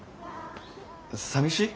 さみしい？